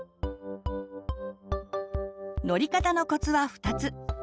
乗り方のコツは２つ。